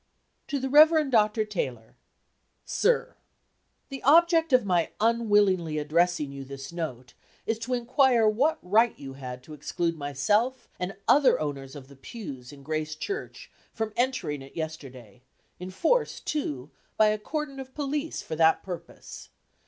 TO THE REV. DR. TAYLOR. Sir: The object of my unwillingly addressing you this note is to inquire what right you had to exclude myself and other owners of pews in Grace Church from entering it yesterday, enforced, too, by a cordon of police for that purpose.